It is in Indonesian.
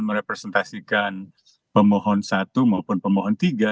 merepresentasikan pemohon satu maupun pemohon tiga